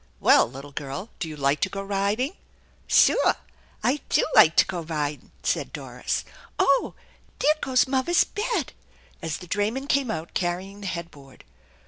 "" Well, little girl, do you like to go riding? "" Soor! I do 'ike to go widin' !" said Doris. " Oh ! There goes muwer's bed !" as the drayman came out carrying the headboard.